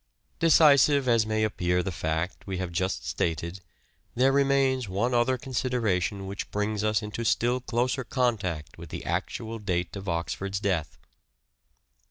Decisive as may appear the fact we have just stated " Hamlet.' there remains one other consideration which brings us into still closer contact with the actual date of Oxford's death.